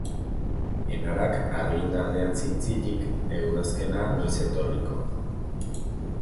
Enarak argindarrean zintzilik, udazkena noiz etorriko.